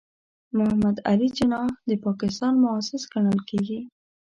محمد علي جناح د پاکستان مؤسس ګڼل کېږي.